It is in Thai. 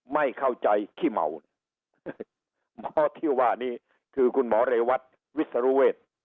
ไม่เข้าใจขี้เหมาหมอที่ว่านี้คือคุณหมอเรวัตวิศนุเวศ